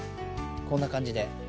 こんなかんじで。